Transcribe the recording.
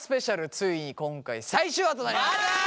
ついに今回最終話となります！